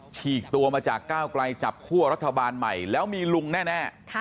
ฉีกตัวมาจากก้าวไกลจับคั่วรัฐบาลใหม่แล้วมีลุงแน่